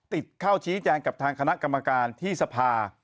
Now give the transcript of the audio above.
ติดเข้าชี้แจงกับทางคณะกรรมการที่สภา